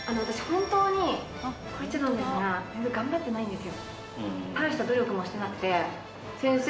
本当にこう言っちゃなんですが全然頑張ってないんですよ。